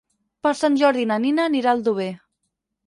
Per Sant Jordi na Nina anirà a Aldover.